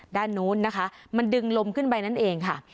ด้านนู้นนะคะมันดึงลมขึ้นไปนั่นเองค่ะ